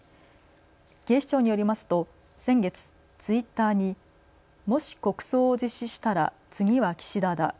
警視庁によりますと先月、ツイッターに、もし国葬を実施したら次は岸田だ。